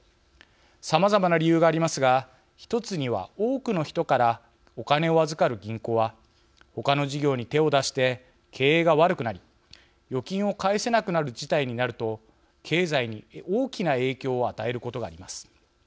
さまざまな理由がありますが１つには多くの人からお金を預かる銀行はほかの事業に手を出して経営が悪くなり預金を返せなくなる事態になると経済に大きな影響を与えることがあります。